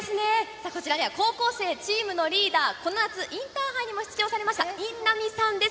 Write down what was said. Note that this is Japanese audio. さあ、こちらには高校生チームのリーダー、この夏インターハイにも出場されました、印南さんです。